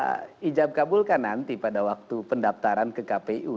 yang pertama adalah ijab kabul kan nanti pada waktu pendaftaran ke kpu